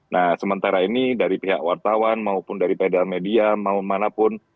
nah sementara ini dari pihak wartawan maupun dari pedal media mau manapun